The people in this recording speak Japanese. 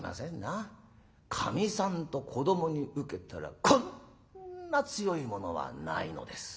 かみさんと子どもに受けたらこんな強いものはないのです。